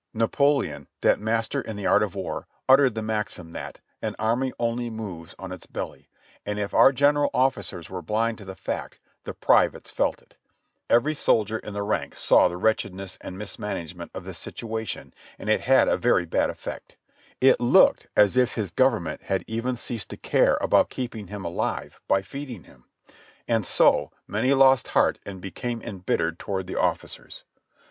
Napoleon, that master in the art of war, uttered the maxim that "an army only moves on its belly," and if our general ofificers were blind to the fact, the privates felt it; every soldier in the ranks saw the wretchedness and mismanagement of the situation and it had a very bad effect; it looked as if his Government had even ceased to care about keeping him alive by feeding him, and so, many lost heart and became embittered toward the officers.